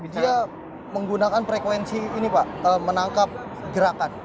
dia menggunakan frekuensi ini pak menangkap gerakan